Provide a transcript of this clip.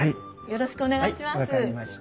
よろしくお願いします。